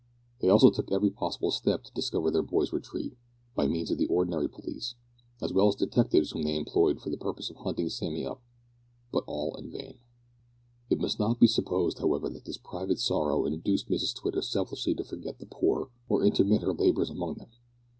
They also took every possible step to discover their boy's retreat, by means of the ordinary police, as well as detectives whom they employed for the purpose of hunting Sammy up: but all in vain. It must not be supposed, however, that this private sorrow induced Mrs Twitter selfishly to forget the poor, or intermit her labours among them.